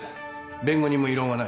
弁護人も異論はない。